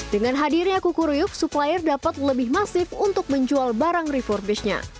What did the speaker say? dengan hadirnya kuku ruyuk supplier dapat lebih masif untuk menjual barang refurbishnya